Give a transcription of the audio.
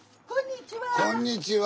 こんにちは。